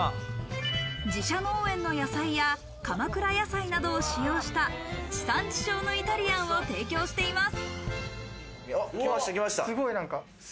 自社農園の野菜や鎌倉野菜などを使用した地産地消のイタリアンを提供しています。